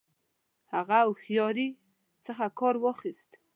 هغه هوښیاري څخه کار واخیست.